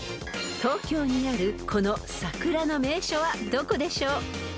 ［東京にあるこの桜の名所はどこでしょう？］